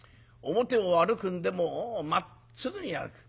表を歩くんでもまっすぐに歩く。